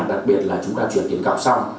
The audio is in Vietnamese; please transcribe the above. đặc biệt là chúng ta chuyển tiền cọc xong